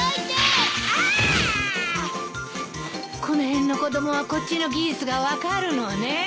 この辺の子供はこっちの技術が分かるのね。